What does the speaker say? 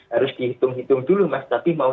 harus dihitung hitung dulu mas tapi mau